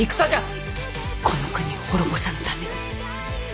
この国を滅ぼさぬために。